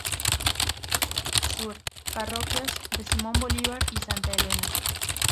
Sur: Parroquias de Simón Bolívar y Santa Elena.